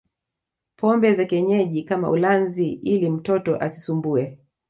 pombe za kienyeji kama ulanzi ili mtoto asisumbue